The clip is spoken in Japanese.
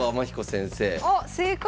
あっ正解！